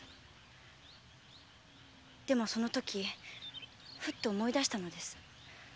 でもそのときふっと思い出したのです。